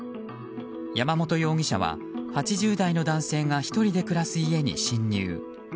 山本容疑者は８０代の男性が１人で暮らす家に侵入。